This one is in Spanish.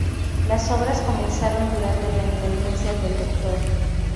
Las obras comenzaron durante la intendencia del Dr.